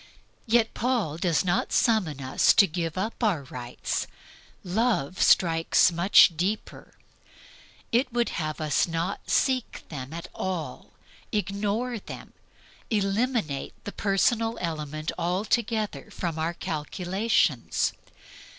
Yet Paul does not summon us to give up our rights. Love strikes much deeper. It would have us not seek them at all, ignore them, eliminate the personal element altogether from our calculations.